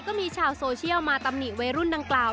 ก็มีชาวโซเชียลมาตำหนิวัยรุ่นดังกล่าว